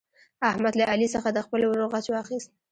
احمد له علي څخه د خپل ورور غچ واخیست.